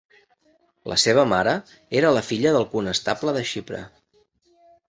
La seva mare era la filla del conestable de Xipre.